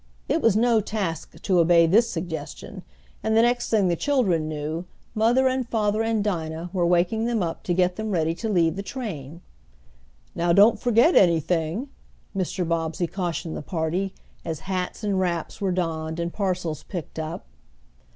It was no task to obey this suggestion, and the next thing the children knew, mother and father and Dinah were waking them up to get them ready to leave the train. "Now, don't forget anything," Mr. Bobbsey cautioned the party, as hats and wraps were donned and parcels picked up.